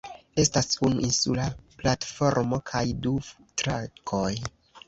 Estas unu insula platformo kaj du trakoj.